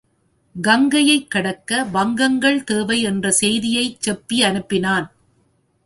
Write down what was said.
கங்கையைக் கடக்க வங்கங்கள் தேவை என்ற செய்தியைச் செப்பி அனுப்பினான்.